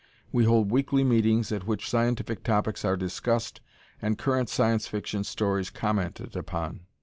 We hold weekly meetings at which scientific topics are discussed, and current Science Fiction stories commented upon.